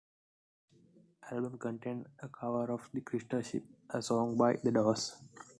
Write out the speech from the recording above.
This album contains a cover of "The Crystal Ship", a song by "The Doors".